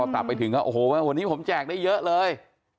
กลับไปถึงก็โอ้โหวันนี้ผมแจกได้เยอะเลย